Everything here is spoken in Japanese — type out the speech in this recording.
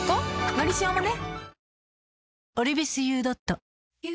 「のりしお」もね